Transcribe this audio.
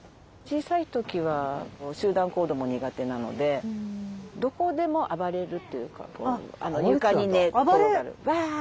小さい時は集団行動も苦手なのでどこでも暴れるというか床に寝転がる。